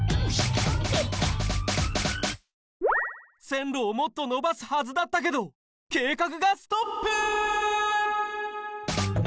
線路をもっと延ばすはずだったけど計画がストップ！